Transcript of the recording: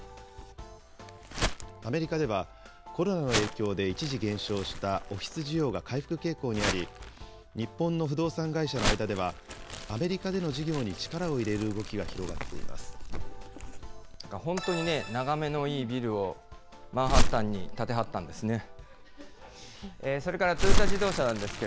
アメリカでは、コロナの影響で一時減少したオフィス需要が回復傾向にあり、日本の不動産会社の間では、アメリカでの事業に力を入れる動きが広が本当にね、眺めのいいビルをマンハッタンに建てはったんですね。